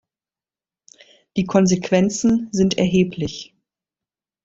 Die Konsequenzen sind erheblich.